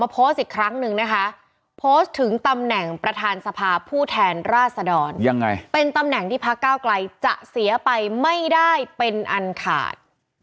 เป็นตำแหน่งที่พักก้าวกลายจะเสียไปไม่ได้เป็นอันขาด